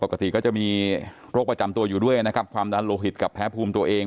ปกติก็จะมีโรคประจำตัวอยู่ด้วยความดันโหดกับแพ้ภูมิตัวเอง